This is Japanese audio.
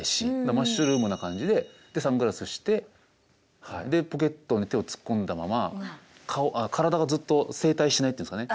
マッシュルームな感じでサングラスしてでポケットに手を突っ込んだまま体がずっと正対しないっていうんですかね。